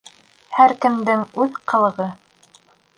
Һәр кемдең үҙ ҡылығы.